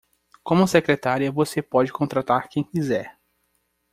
Como secretária, você pode contratar quem quiser.